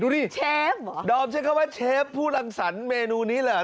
ดิเชฟเหรอดอมใช้คำว่าเชฟผู้รังสรรคเมนูนี้เหรอ